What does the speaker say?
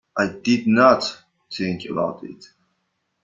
I did not think about it.